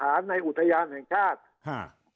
คราวนี้เจ้าหน้าที่ป่าไม้รับรองแนวเนี่ยจะต้องเป็นหนังสือจากอธิบดี